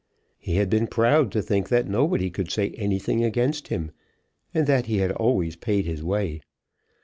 He had been proud to think that nobody could say anything against him, and that he had always paid his way.